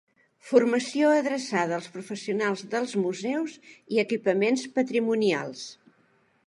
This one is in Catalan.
Formació adreçada als professionals dels museus i equipaments patrimonials.